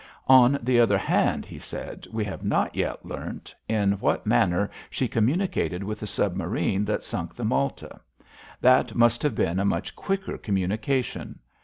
On the other hand," he said, "we have not yet learnt in what manner she communicated with the submarine that sunk the Malta, That must have been a much quicker communication.